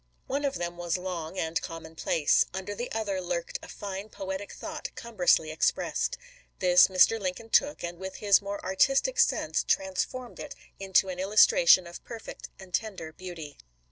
One of them was long and commonplace ; under the other lurked a fine poetic thought cumbrously expressed. This Mr. Lincoln took, and with his more artistic sense transformed it into an illustration of perfect and tender beauty.